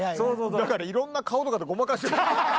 だから色んな顔とかでごまかしてる。